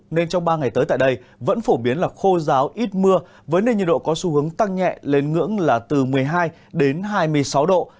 nên trong ba ngày tới tại đây vẫn phổ biến là khô giáo ít mưa với nền nhiệt độ có xu hướng tăng nhẹ lên ngưỡng là từ một mươi hai đến hai mươi sáu độ